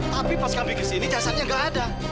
tapi pas kami ke sini jasadnya gak ada